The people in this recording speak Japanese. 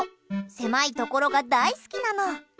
狭いところが大好きなの。